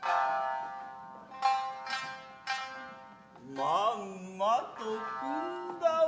まんまと汲んだわ。